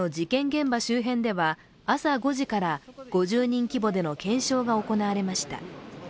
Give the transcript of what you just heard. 現場周辺では朝５時から５０人規模での検証が行われました。